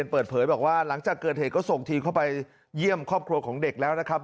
เปิดเผยบอกว่าหลังจากเกิดเหตุก็ส่งทีมเข้าไปเยี่ยมครอบครัวของเด็กแล้วนะครับ